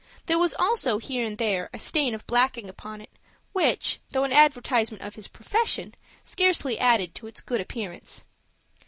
There was also here and there a stain of blacking upon it, which, though an advertisement of his profession, scarcely added to its good appearance.